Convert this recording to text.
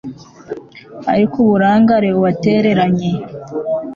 Ariko uburangare uwatereranye